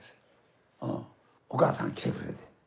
お母さん来てくれて。